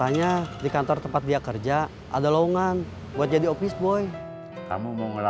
mang u ikut katerolet oke